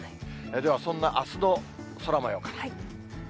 ではそんなあすの空もようから。